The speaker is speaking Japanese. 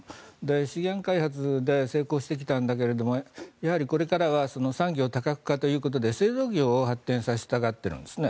資源開発で成功してきたんだけれどやはりこれからは産業多角化ということで製造業を発展させたがっているんですね。